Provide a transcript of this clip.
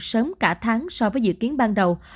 sớm cả tháng so với dự kiến ban đầu